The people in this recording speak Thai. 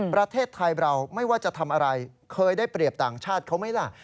ประเทศไทยเราไม่ว่าจะทำอะไรเคยได้เปรียบต่างชาติเขาไหมล่ะ